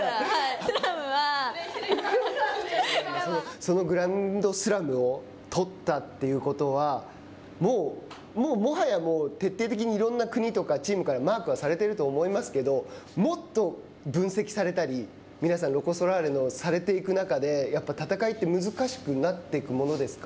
そのグランドスラムを取ったっていうことはもはや徹底的にいろんな国とかチームからマークされてると思いますけどもっと分析されたり皆さん、ロコ・ソラーレ、されていく中で戦いって難しくなっていくものですか。